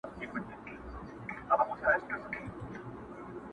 چي هره چېغه پورته کم پاتېږي پر ګرېوان!٫.